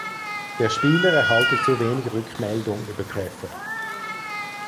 Der Spieler erhalte zu wenig Rückmeldung über Treffer.